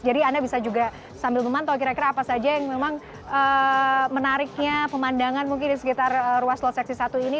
jadi anda bisa juga sambil memantau kira kira apa saja yang memang menariknya pemandangan mungkin di sekitar ruas tol seksi satu ini